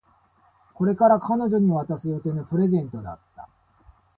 これから彼女に渡す予定のプレゼントだった